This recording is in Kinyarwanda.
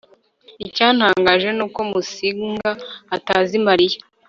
icyantangaje nuko musinga atazi mariya